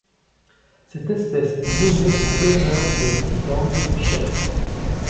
Cette espèce est nommée en l'honneur de Zhi-gang Chen.